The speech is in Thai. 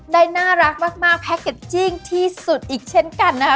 ได้น่ารักมากแพ็กเกจจิ้งที่สุดอีกเช่นกันนะคะ